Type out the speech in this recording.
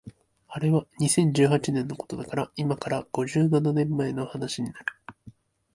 あれは二千十八年のことだから今から五十七年前の話になる